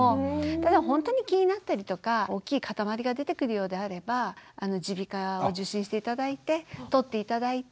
ただほんとに気になったりとか大きい塊が出てくるようであれば耳鼻科を受診して頂いて取って頂いて。